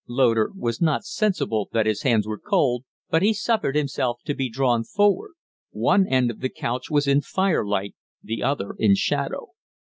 Loder was not sensible that his hands were cold, but he suffered himself to be drawn forward. One end of the couch was in firelight, the other in shadow.